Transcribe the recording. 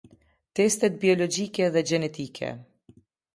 Testet biologjike dhe gjenetike.